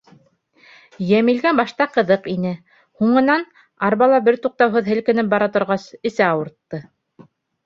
Йәмилгә башта ҡыҙыҡ ине, һуңынан, арбала бер туҡтауһыҙ һелкенеп бара торғас, эсе ауыртты.